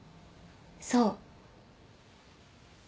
そう。